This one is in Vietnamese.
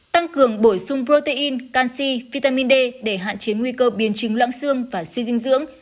tăng cường bổ sung protein canxi vitamin d để hạn chế nguy cơ biến chứng loãng xương và suy dinh dưỡng